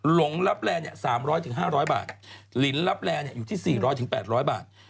หลงลับแล๓๐๐๕๐๐บาทลินลับแลอยู่ที่๔๐๐๘๐๐บาท